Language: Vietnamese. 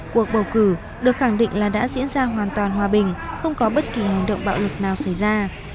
cuộc bầu cử được khẳng định là đã diễn ra hoàn toàn hòa bình không có bất kỳ hành động bạo lực nào xảy ra